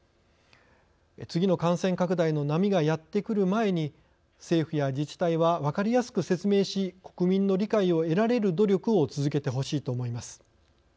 次の感染拡大の波がやってくる前に政府や自治体は分かりやすく説明し国民の理解を得られる努力を続けてほしいと思います。